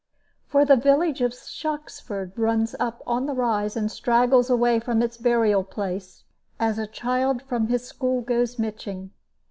For the village of Shoxford runs up on the rise, and straggles away from its burial place, as a child from his school goes mitching.